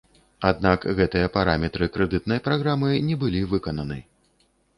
Аднак гэтыя параметры крэдытнай праграмы не былі выкананы.